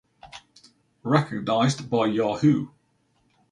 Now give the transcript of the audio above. Recognised by Yahoo!